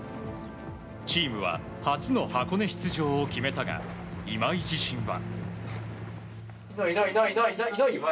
チームは初の箱根出場を決めたが今井自身は。